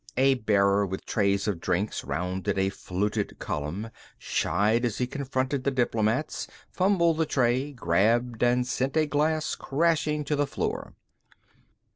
A bearer with a tray of drinks rounded a fluted column, shied as he confronted the diplomats, fumbled the tray, grabbed and sent a glass crashing to the floor.